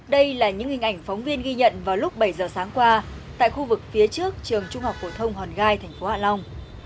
đây là những hình ảnh phóng viên ghi nhận vào lúc bảy giờ sáng qua tại khu vực phía trước trường trung học phổ thông hòn gai tp hạ long